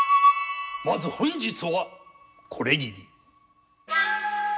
まず本日はこれぎり。